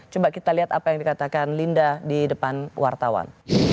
coba kita lihat apa yang dikatakan linda di depan wartawan